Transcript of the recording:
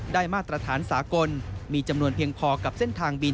มาตรฐานสากลมีจำนวนเพียงพอกับเส้นทางบิน